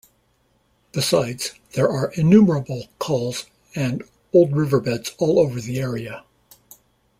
Besides, there are innumerable Khals and old riverbeds all over the area.